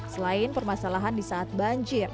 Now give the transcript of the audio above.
selain permasalahan disaat banjir